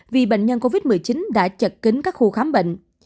vì bệnh nhân covid một mươi chín đã chật kính các khu khám bệnh